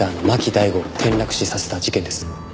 大吾を転落死させた事件です。